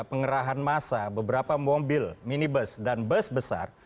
pengerahan masa beberapa mobil minibus dan bus besar